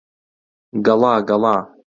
گەڵا گەڵا